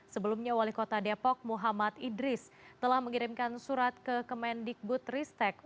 sebelumnya wali kota depok muhammad idris telah mengirimkan surat ke kemendikbud ristek